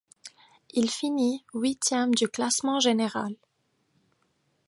Il finit huitième du classement général.